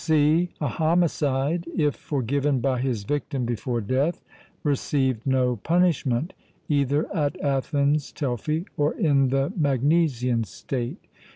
(c) A homicide, if forgiven by his victim before death, received no punishment, either at Athens (Telfy), or in the Magnesian state.